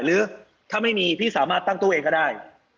หรือถ้าไม่มีพี่สามารถตั้งตู้เองก็ได้